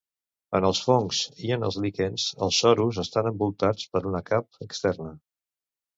En els fongs i en els líquens, els sorus estan envoltats per una cap externa.